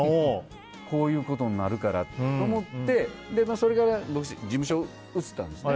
こういうことになるからって思ってそれから事務所を移ったんですね。